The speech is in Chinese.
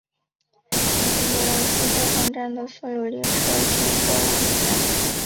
经过兰斯白房站的所有列车均经过兰斯站。